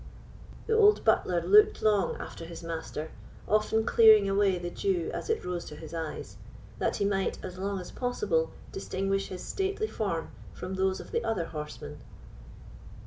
The old butler looked long after his master, often clearing away the dew as it rose to his eyes, that he might, as long as possible, distinguish his stately form from those of the other horsemen.